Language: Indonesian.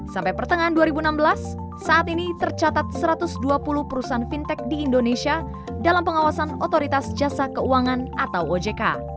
sampai pertengahan dua ribu enam belas saat ini tercatat satu ratus dua puluh perusahaan fintech di indonesia dalam pengawasan otoritas jasa keuangan atau ojk